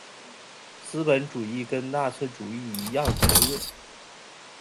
资本主义跟纳粹主义一样邪恶。